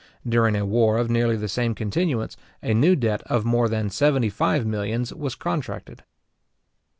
During a war of nearly the same continuance, a new debt of more than seventy five millions was contracted.